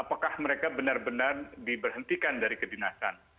apakah mereka benar benar diberhentikan dari kedinasan